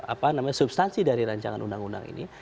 apa namanya substansi dari rancangan undang undang ini